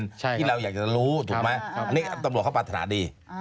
ที่เราอยากจะรู้ถูกไหมอันนี้ตำรวจเขาปรารถนาดี